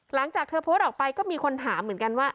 หลังจากเธอโพสต์ออกไปก็มีคนถามเหมือนกันว่า